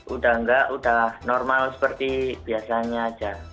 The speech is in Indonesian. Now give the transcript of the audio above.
udah enggak udah normal seperti biasanya aja